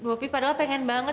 opi padahal pengen banget